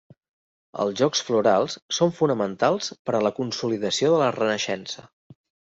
Els Jocs Florals són fonamentals per a la consolidació de la Renaixença.